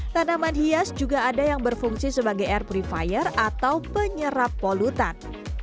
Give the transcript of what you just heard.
tanaman hias juga ada yang berfungsi sebagai air purifier atau penyerap polutan